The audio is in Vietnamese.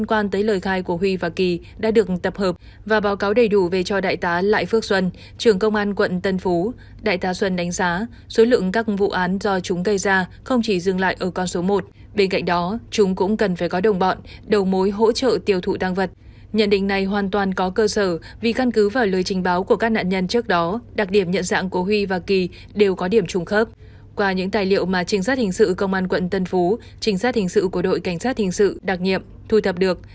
qua những tài liệu mà trinh sát hình sự công an quận tân phú trinh sát hình sự của đội cảnh sát hình sự đặc nhiệm thu thập được